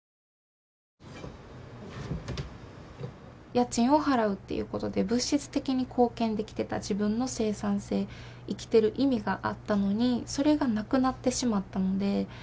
家賃を払うっていうことで物質的に貢献できてた自分の生産性生きてる意味があったのにそれがなくなってしまったので。